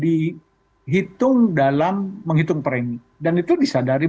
berikutnya sesuai dengan hitungan yang menghitung premi dan itu disadari bersama